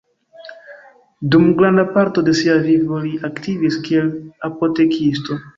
Dum granda parto de sia vivo, li aktivis kiel apotekisto.